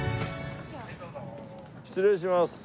失礼します。